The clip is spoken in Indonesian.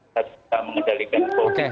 kita bisa mengendalikan covid